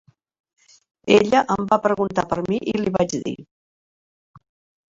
Ella em va preguntar per mi, i li vaig dir.